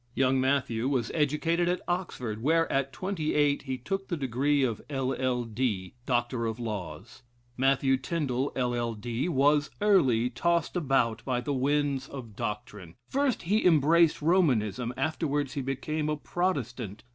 Young Matthew was educated at Oxford, where at twenty eight he took the degree of LL.D. Matthew Tindal, LL. D., was early tossed about by the winds of doctrine. First he embraced Romanism: afterwards he became a Protestant.